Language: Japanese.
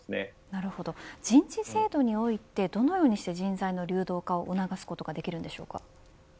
なるほど、人事制度においてどのようにして人材の流動化を促すことができるんでしょうか。